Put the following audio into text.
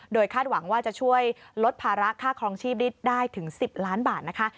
คาดหวังว่าจะช่วยลดภาระค่าครองชีพฤทธิ์ได้ถึง๑๐ล้านบาทนะคะ